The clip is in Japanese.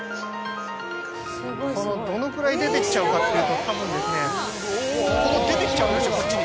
どのくらい出てきちゃうかというと出てきちゃうんですよ